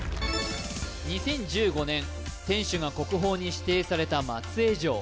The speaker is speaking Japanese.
２０１５年天守が国宝に指定された松江城